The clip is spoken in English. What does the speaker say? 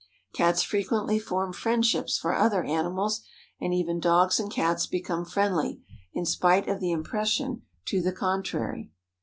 Cats frequently form friendships for other animals, and even dogs and Cats become friendly, in spite of the impression to the contrary.